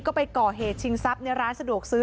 ก็ไปก่อเหตุชิงทรัพย์ในร้านสะดวกซื้อ